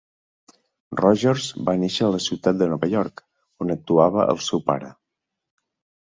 Rogers va néixer a la ciutat de Nova York, on actuava el seu pare.